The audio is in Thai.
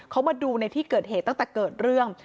เขามาดูในที่เกิดเหตุตั้งแต่เกิดเรื่อง